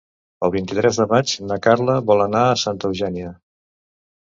El vint-i-tres de maig na Carla vol anar a Santa Eugènia.